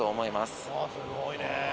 すごいねえ。